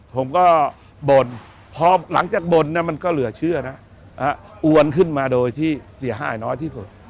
ผมก็บ่นพอหลังจากบ่นมันก็เหลือเชื่อนะอวนขึ้นมาโดยที่เสียหายน้อยที่สุด